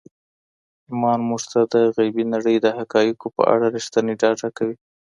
ایمان موږ ته د غیبي نړۍ د حقایقو په اړه رښتینی ډاډ راکوي.